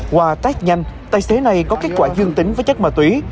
hòa tác nhanh tài xế này có kết quả dương tính với chất ma túy